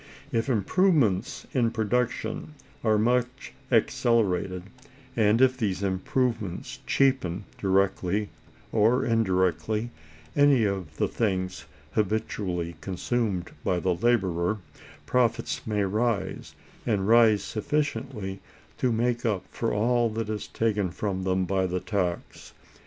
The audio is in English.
If improvements in production are much accelerated, and if these improvements cheapen, directly or indirectly, any of the things habitually consumed by the laborer, profits may rise, and rise sufficiently to make up for all that is taken from them by the tax.